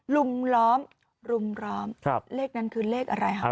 ลุมล้อมรุมล้อมเลขนั้นคือเลขอะไรฮะ